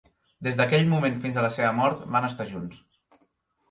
Des d'aquell moment fins a la seva mort, van estar junts.